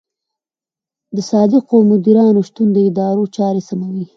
د صادقو مدیرانو شتون د ادارو چارې سموي.